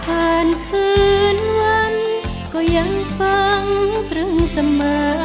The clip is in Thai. คืนวันก็ยังฟังปรึงเสมอ